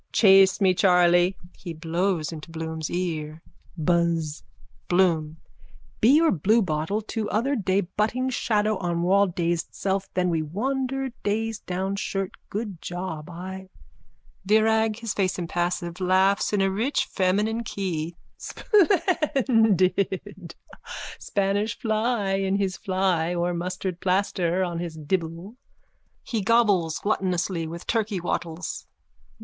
Chase me, Charley! (He blows into Bloom's ear.) Buzz! BLOOM: Bee or bluebottle too other day butting shadow on wall dazed self then me wandered dazed down shirt good job I... VIRAG: (His face impassive, laughs in a rich feminine key.) Splendid! Spanish fly in his fly or mustard plaster on his dibble. _(He gobbles gluttonously with turkey wattles.)